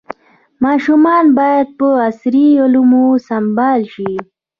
ماشومان باید په عصري علومو سمبال شي.